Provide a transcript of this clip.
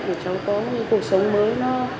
cho cháu có những cuộc sống mới